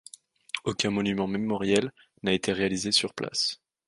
Aucun monument mémoriel n'a été réalisé sur place.